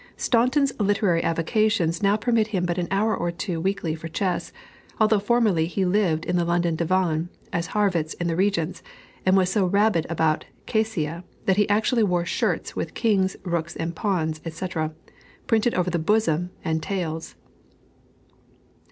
Staunton's literary avocations now permit him but an hour or two weekly for chess, although formerly he lived in the London Divan, as Harrwitz in the Régence, and was so rabid about Caïssa, that he actually wore shirts with kings, rooks, pawns, etc., printed over the bosoms and tails.